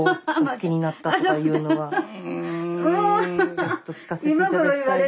ちょっと聞かせて頂きたいですね。